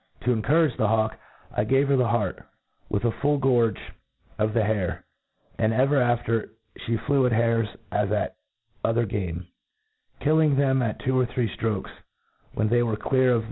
To encoufige the hawk, I gave her the heart, with a full gorge'of the hare * and, ever after, flic flew at hares as at other game, killing them at two or three ftrokes, when they were clear of